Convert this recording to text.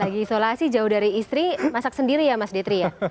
lagi isolasi jauh dari istri masak sendiri ya mas detri ya